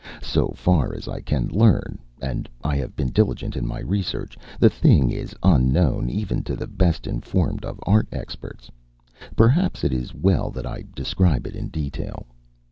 So far as I can learn and I have been diligent in my research the thing is unknown even to the best informed of art experts. Perhaps it is as well that I describe it in detail.